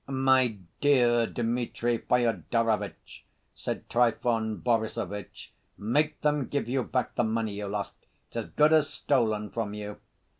"My dear Dmitri Fyodorovitch," said Trifon Borissovitch, "make them give you back the money you lost. It's as good as stolen from you."